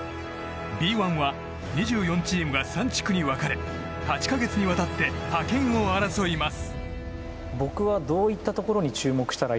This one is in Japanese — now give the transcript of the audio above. Ｂ１は２４チームが３地区に分かれ８か月にわたって覇権を争います。